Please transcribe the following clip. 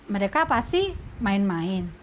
mereka pasti main main